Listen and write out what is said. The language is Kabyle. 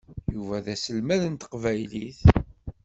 Yuba d aselmad n teqbaylit.